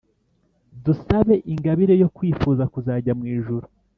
dusabe ingabire yo kwifuza kuzajya mw’ijuru.